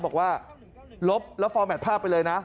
บอกว่าลบแล้วฟอร์แมทภาพไปเลยนะ